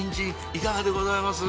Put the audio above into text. いかがでございます？